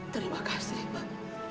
terima kasih pak